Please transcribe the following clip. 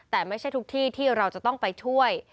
แต่ไม่ใช่ทุกที่ที่เราจะต้องไปช่วย